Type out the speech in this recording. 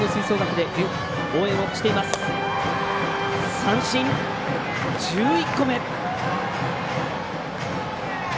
三振、１１個目。